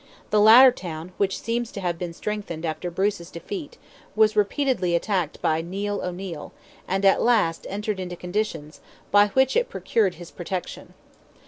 The latter town, which seems to have been strengthened after Bruce's defeat, was repeatedly attacked by Neil O'Neil, and at last entered into conditions, by which it procured his protection.